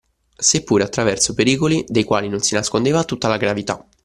Seppure attraverso pericoli dei quali non si nascondeva tutta la gravità